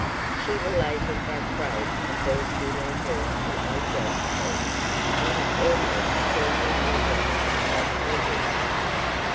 She related how Craig had burst in on her and Aunt Josephine and had almost torn the other watch off her wrist.